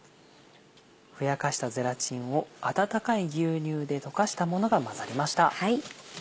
ふやかしたゼラチンを温かい牛乳で溶かしたものが混ざりました。